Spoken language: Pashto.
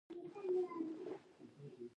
دا راپورونه یې رد کړي وو.